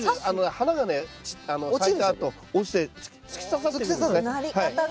花がね咲いたあと落ちて突き刺さっていくんですね。